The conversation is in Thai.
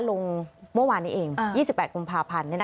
ลงเมื่อวานนี้เอง๒๘กุมภาพันธ์